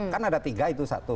kan ada tiga itu satu